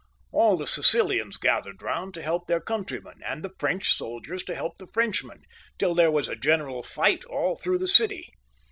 AU the Sicilians gathered round to help their countryman, and the French soldiers to help the Frenchman, till there was a general fight all through the city.